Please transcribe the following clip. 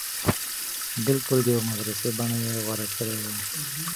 بلکل د يوې مدرسې بنه يې غوره کړې وه.